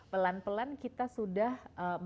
pelan pelan kita sudah